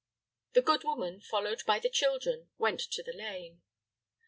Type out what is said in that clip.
The good woman, followed by the children, went to the lane.